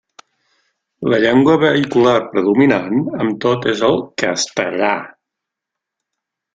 La llengua vehicular predominant, amb tot, és el castellà.